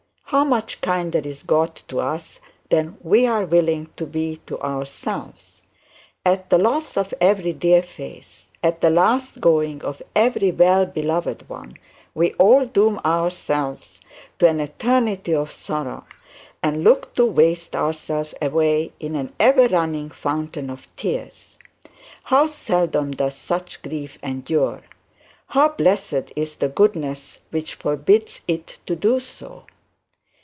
How much kinder is God to us than we are willing to be to ourselves! At the loss of every dear face, at the last going of every well beloved one, we all doom ourselves to an eternity of sorrow, and look to waste ourselves away in an ever running fountain of tears. How seldom does such grief endure! How blessed is the goodness which forbids it to do so!